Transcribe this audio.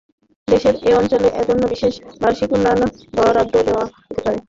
দেশের এ অঞ্চলটির জন্য বিশেষ বার্ষিক উন্নয়ন বরাদ্দ দেওয়া যেতে পারে।